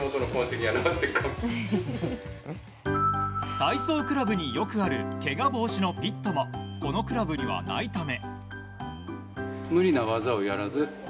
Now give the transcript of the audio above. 体操クラブによくあるけが防止のピットもこのクラブにはないため。